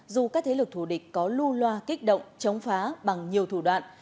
dù các thế lực thủ địch có lưu loa kích động chống phá bằng nhiều thủ đoạn